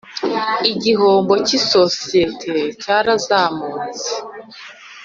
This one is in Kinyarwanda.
igihombo cy’ isosiyete cyarazamutse